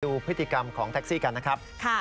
ดูพฤติกรรมของแท็กซี่กันนะครับ